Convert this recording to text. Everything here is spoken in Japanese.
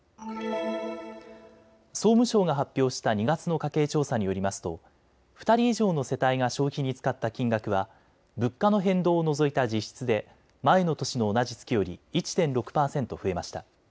総務省が発表した２月の家計調査によりますと２人以上の世帯が消費に使った金額は物価の変動を除いた実質で前の年の同じ月より１．６％増えました。